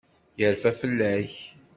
Yerfa fell-ak.